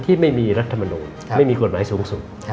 ที่ไม่มีรัฐมนุษย์ไม่มีกฎหมายสูง